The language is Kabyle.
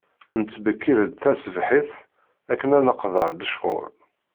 Nettbekkir-d tasebḥit, akken ad neqḍeɛ lecɣal.